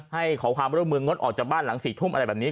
ขอความร่วมมืองดออกจากบ้านหลัง๔ทุ่มอะไรแบบนี้